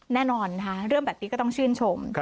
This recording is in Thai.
แน่นอนค่ะเรื่องแบบนี้ก็ต้องชื่นชม